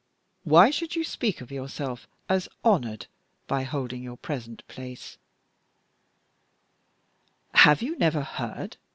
Why should you speak of yourself as honored by holding your present place?" "Have you never heard?"